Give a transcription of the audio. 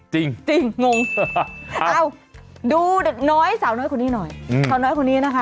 จริงงงเอ้าดูสาวน้อยคนนี้หน่อยสาวน้อยคนนี้นะคะ